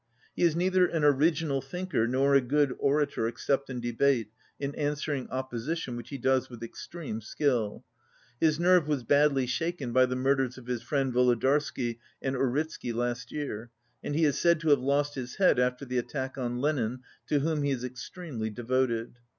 He is neither an original thinker nor a good orator except in debate, in answering opposition, which he does with extreme skill. His nerve was badly shaken by the murders of his friends Volodarsky and Uritzky last year, and he is said to have lost his head after the attack on Lenin, to whom he is ex tremely devoted.